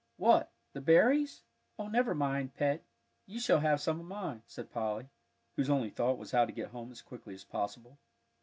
"What the berries? Oh, never mind, Pet, you shall have some of mine," said Polly, whose only thought was how to get home as quickly as possible.